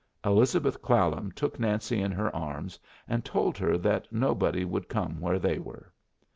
Elizabeth Clallam took Nancy in her arms and told her that nobody would come where they were.